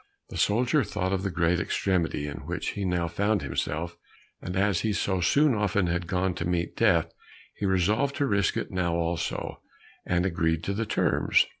The soldier thought of the great extremity in which he now found himself, and as he so often had gone to meet death, he resolved to risk it now also, and agreed to the terms.